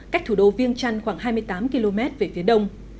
cách thủ đô viêng trăn khoảng hai mươi tám km về phía đông